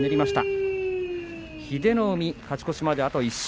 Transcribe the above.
英乃海は勝ち越しまであと１勝。